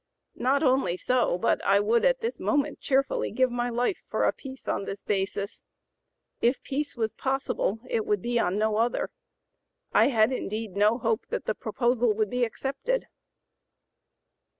Not only so, but I would at this moment cheerfully give my life for a peace on this basis. If peace was possible, it would be on no other. I had indeed no hope that the proposal would be accepted."